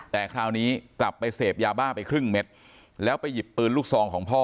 แต่คราวนี้กลับไปเสพยาบ้าไปครึ่งเม็ดแล้วไปหยิบปืนลูกซองของพ่อ